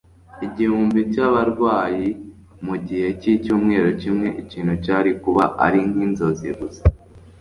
igihumbi by'abarwayi mu gihe cy'icyumweru kimwe, ikintu cyari kuba ari nk'inzozi gusa